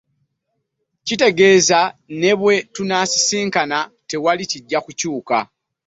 Kitegeeza ne bwe tusisinkana tewali kijja kukyuka.